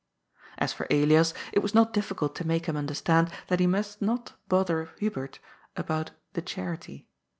As for Elias, it was not difficult to make him under stand that he must not bother Hubert about '^ the Charity."